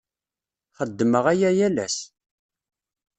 Xeddmeɣ aya yal ass.